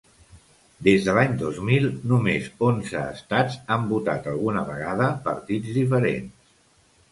Des de l’any dos mil, només onze estats han votat alguna vegada partits diferents.